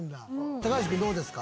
橋君どうですか？